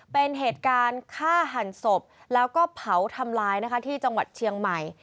เป็นเหตุการณ์ฆ่าหันศพแล้วก็เผาทำลายนะคะที่จังหวัดเชียงใหม่